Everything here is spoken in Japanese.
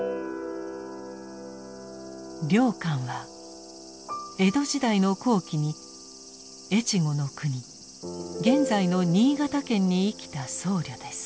良寛は江戸時代の後期に越後国現在の新潟県に生きた僧侶です。